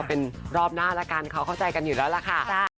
เป็นรอบหน้าละกันเขาเข้าใจกันอยู่แล้วล่ะค่ะ